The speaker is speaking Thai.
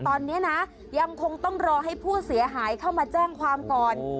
ตอนนี้นะยังคงต้องรอให้ผู้เสียหายเข้ามาแจ้งความก่อน